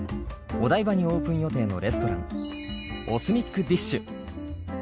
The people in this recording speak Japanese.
お台場にオープン予定のレストランＯＳＭＩＣＤＩＳＨ。